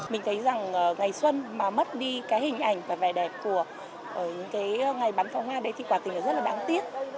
mình thấy rằng ngày xuân mà mất đi cái hình ảnh và vẻ đẹp của những cái ngày bắn pháo hoa đấy thì quả tình là rất là đáng tiếc